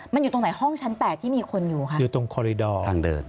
มันอยู่ตรงไหนห้องชั้น๘ที่มีคนอยู่ค่ะอยู่ตรงคอริดอร์ทางเดิน